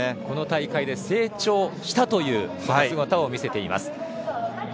この大会で成長したという姿を見せています。